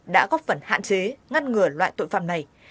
đã góp phần hạn chế ngăn ngừa loại tội phạm này